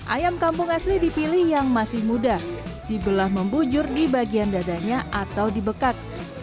ayam kampung asli dipilih yang masih muda dibelah membujur di bagian dadanya atau dibekat